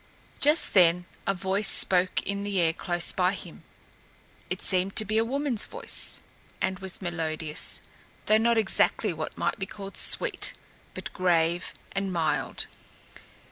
Just then a voice spoke in the air close by him. It seemed to be a woman's voice and was melodious, though not exactly what might be called sweet, but grave and mild.